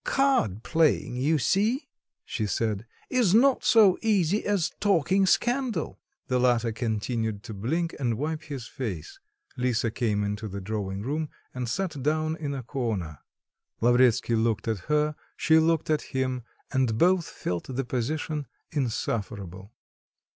"Card playing, you see," she said, "is not so easy as talking scandal." The latter continued to blink and wipe his face. Lisa came into the drawing room and sat down in a corner; Lavretsky looked at her, she looked at him, and both felt the position insufferable.